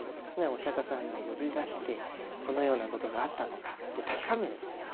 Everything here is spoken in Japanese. お釈迦さんが呼び出してこのようなことがあったのかって確かめるんですよね。